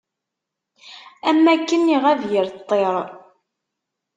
Am akken iɣab yir ṭṭir.